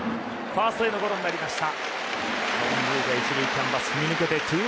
ファーストへのゴロになりました。